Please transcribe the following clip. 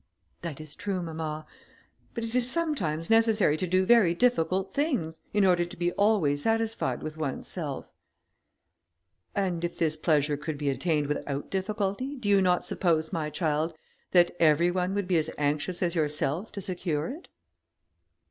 "That is true, mamma; but it is sometimes necessary to do very difficult things, in order to be always satisfied with one's self." "And if this pleasure could be attained without difficulty, do you not suppose, my child, that every one would be as anxious as yourself to secure it?"